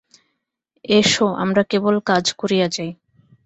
S, আমরা কেবল কাজ করিয়া যাই।